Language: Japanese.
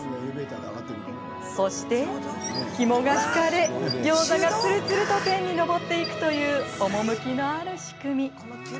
そしてひもが引かれギョーザがつるつると天に昇っていくという趣のある仕組み。